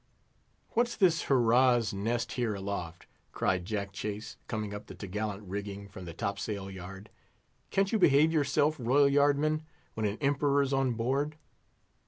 "What's this hurra's nest here aloft?" cried Jack Chase, coming up the t' gallant rigging from the top sail yard. "Can't you behave yourself, royal yard men, when an Emperor's on board?"